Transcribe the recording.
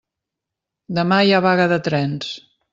Demà hi ha vaga de trens.